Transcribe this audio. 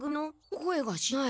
声がしない。